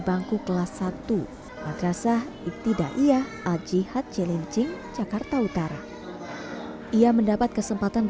bangku kelas satu madrasah ibti da'iyah al jihad jalil cing jakarta utara ia mendapat kesempatan